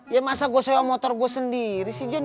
ya masa gue sewa motor gue sendiri sih